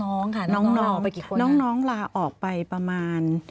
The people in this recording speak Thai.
น้องค่ะน้องไปกี่คนน้องลาออกไปประมาณ